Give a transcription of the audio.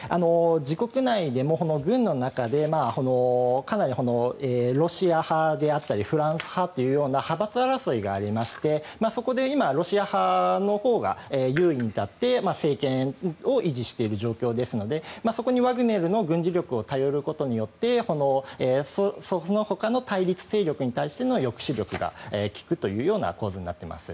自国内でも軍の中でかなりロシア派であったりフランス派という派閥争いがありましてそこで今、ロシア派のほうが優位に立って政権を維持している状況ですのでそこにワグネルの軍事力を頼ることによってそのほかの対立勢力に対しての抑止力が利くというような構図になっています。